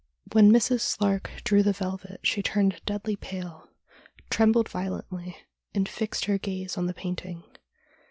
When Mrs. Slark drew the velvet she turned deadly pale, trembled violently, and fixed her gaze on the painting.